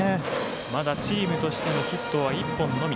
まだチームとしてのヒットは１本のみ。